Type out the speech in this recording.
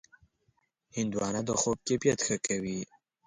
هندوانه د خوب کیفیت ښه کوي.